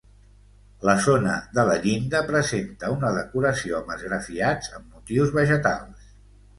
La zona de la llinda presenta una decoració amb esgrafiats amb motius vegetals.